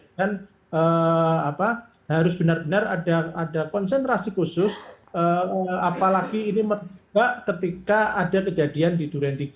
dan harus benar benar ada konsentrasi khusus apalagi ini ketika ada kejadian di durian tiga